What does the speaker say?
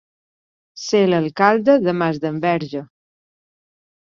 Ser l'alcalde de Masdenverge.